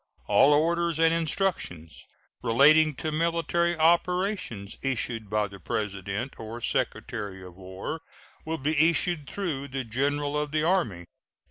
All orders and instructions relating to military operations issued by the President or Secretary of War will be issued through the General of the Army.